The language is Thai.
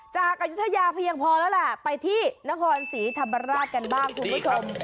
จากอยุธยาเภยอย่างพอแล้วละไปที่นครสีธรรมรัฐกันบ้างคุณผู้ชม